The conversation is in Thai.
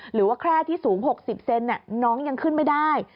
หรือว่าแคร่ที่สูง๖๐เซนน้องยังขึ้นไม่ได้